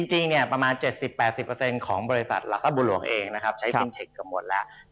จริงประมาณ๗๐๘๐ของบริษัทหลักทรัพย์บัวหลวงเองนะครับ